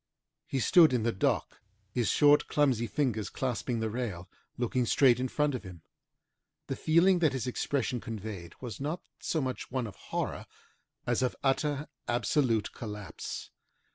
He stood in the dock, his short, clumsy fingers clasping the rail, looking straight in front of him. The feeling that his expression conveyed was not so much one of horror as of utter, absolute collapse.